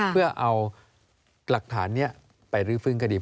เพื่อเอาหลักฐานนี้ไปรื้อฟื้นคดี